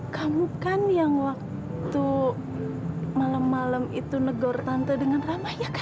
kamu kan yang waktu malam malam itu negor tante dengan ramah ya